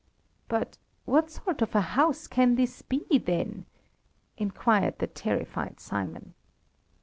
"But what sort of a house can this be, then?" inquired the terrified Simon.